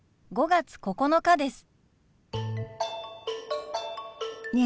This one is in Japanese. ５月９日です。